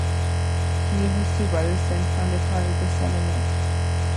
He and his two brothers then founded part of the settlement.